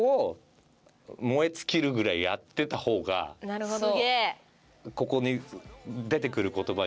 なるほど。